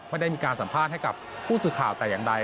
ไม่ได้มีการสัมภาษณ์ให้กับผู้สื่อข่าวแต่อย่างใด